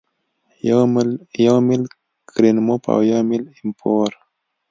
یو میل کرینموف او یو میل ایم پور